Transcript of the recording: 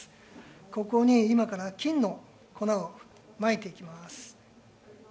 ここに今から金の粉をまいていきます。